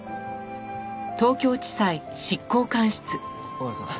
小原さん